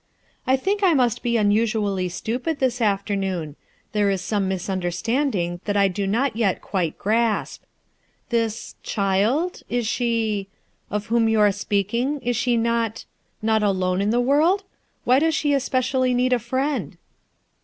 "1 think I must be unusually stupid this after noon. There is some misunderstanding that I do not yet quite grasp. This — child? U she? — of whom you are speaking, she is not, — not alone in the world ? Why does she especially need a friend?"